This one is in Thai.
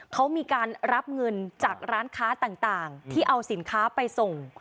เขามีการรับเงินจากร้านค้าต่างที่เอาสินค้าไปส่ง